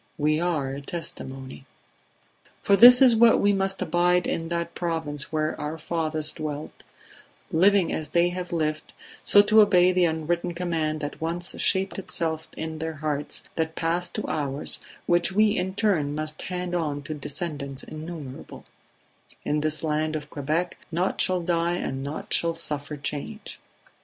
We are a testimony. "For this is it that we must abide in that Province where our fathers dwelt, living as they have lived, so to obey the unwritten command that once shaped itself in their hearts, that passed to ours, which we in turn must hand on to descendants innumerable: In this land of Quebec naught shall die and naught shall suffer change